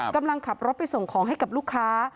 กำลังขับรถไปส่งของให้กับลูกค้า